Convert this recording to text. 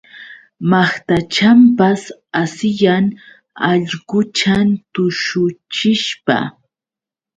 Maqtachanpis asiyan allquchan tushuchishpa.